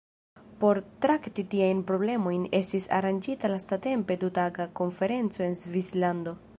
Por trakti tiajn problemojn estis aranĝita lastatempe du-taga konferenco en Svislando.